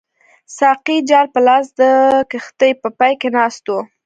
ساقي جال په لاس د کښتۍ په پای کې ناست وو.